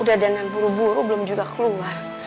udah dana buru buru belum juga keluar